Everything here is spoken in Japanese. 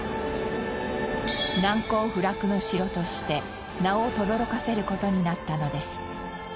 難攻不落の城として名をとどろかせる事になったのです。